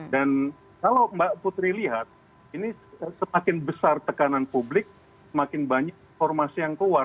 dan kalau mbak putri lihat ini semakin besar tekanan publik semakin banyak informasi yang keluar